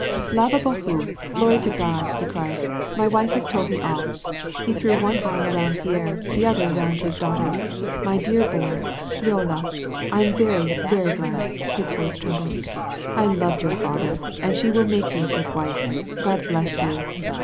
" Slava Bohu ! glory to God !" he cried, " my wife has told me all." He threw one ai m round Pierre, the other round his daughter. " My dear boy ! Lyolya ! I am very, very glad/* his voice trembled. "I loved your father — and she will mak<^ you a good wife — God bless you."